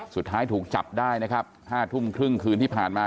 สุดท้ายถูกจับได้นะครับ๕ทุ่มครึ่งคืนที่ผ่านมา